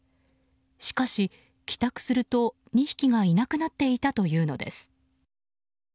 しかし帰宅すると２匹がいなくなっていたというのです。